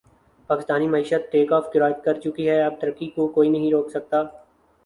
پاکستانی معشیت take off کرچکی ھے اب ترقی کو کوئی نہیں روک سکتا